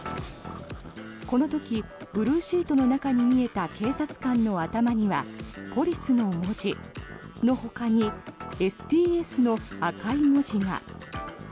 この時ブルーシートの中に見えた警察官の頭にはポリスの文字のほかにＳＴＳの赤い文字が。